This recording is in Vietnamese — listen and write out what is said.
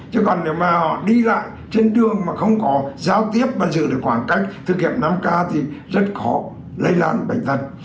chứ còn nếu mà họ đi lại trên đường mà không có giao tiếp và giữ được khoảng cách thực hiện năm k thì rất khó lây lan bệnh tật